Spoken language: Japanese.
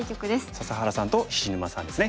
笹原さんと菱沼さんですね。